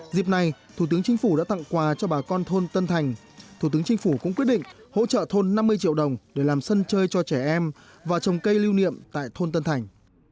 dịp này thủ tướng chính phủ đã tặng quà cho bà con thôn tân thành thủ tướng chính phủ cũng quyết định hỗ trợ thôn năm mươi triệu đồng để làm sân chơi cho trẻ em và trồng cây lưu niệm tại thôn tân thành